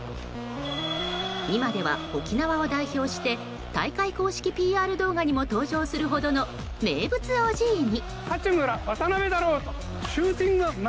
今では、沖縄を代表して大会公式ＰＲ動画にも登場するほどの名物オジーに。